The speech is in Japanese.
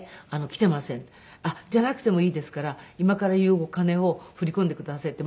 「じゃあなくてもいいですから今から言うお金を振り込んでください」って。